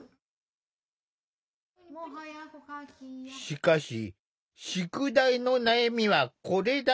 しかし宿題の悩みはこれだけではない。